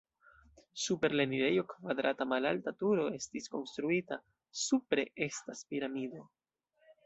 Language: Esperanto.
Super la enirejo kvadrata malalta turo estis konstruita, supre estas piramido.